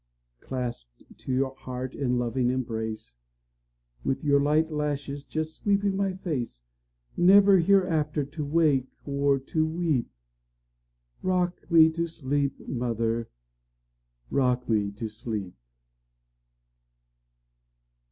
Clasped to your heart in a loving embrace, With your light lashes just sweeping my face, Never hereafter to wake or to weep;—Rock me to sleep, mother,—rock me to sleep!